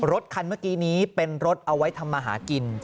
รถคันเมื่อกี้นี้เป็นรถเอาไว้ทำมาหากิน